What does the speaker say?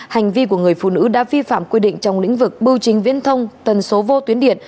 hành vi của người phụ nữ đã vi phạm quy định trong lĩnh vực bưu chính viễn thông tần số vô tuyến điện